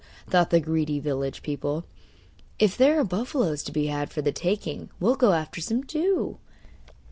thought the greedy village people; 'if there are buffaloes to be had for the taking we'll go after some too.